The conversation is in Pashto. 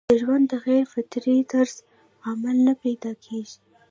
او د ژوند د غېر فطري طرز عمل نه پېدا کيږي